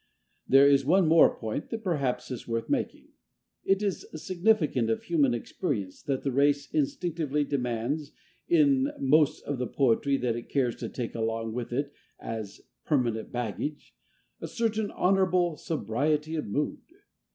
There is one more point that perhaps is worth making. It is significant of human experience that the race instinctively demands, in most of the poetry that it cares to take along with it as permanent baggage, a certain honourable sobriety of mood.